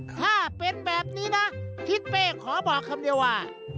ถ้าเป็นแบบนี้นะทิศเป้ขอบอกคำเดียวว่า